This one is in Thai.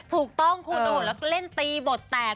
ถูกต้องคุณอุ่นแล้วเล่นตีบทแตก